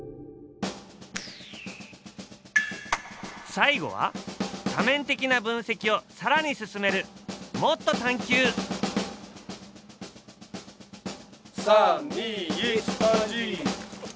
最後は多面的な分析をさらに進める３２１バンジー。